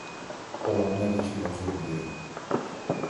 Olanlar için özür dilerim.